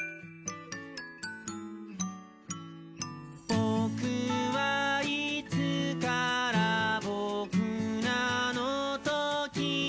「ぼくはいつからぼくなのときみに」